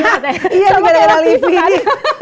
sama kelas itu tadi iya karena lv ini